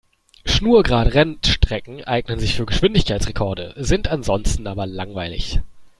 Schnurgerade Rennstrecken eignen sich für Geschwindigkeitsrekorde, sind ansonsten aber langweilig.